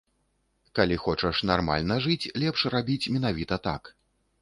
Калі хочаш нармальна жыць, лепш рабіць менавіта так.